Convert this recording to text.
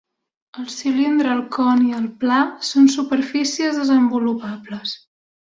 El cilindre, el con i el pla són superfícies desenvolupables.